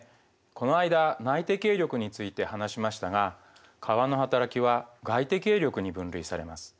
この間内的営力について話しましたが川のはたらきは外的営力に分類されます。